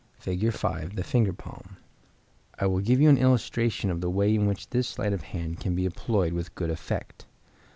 Fig. 5. The Finger Palm. I will give an illustration of the way in which this sleight can be employed with good effect.